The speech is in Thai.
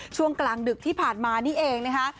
ช่วงกลางดึกที่ผ่านมานี่เองนะคะ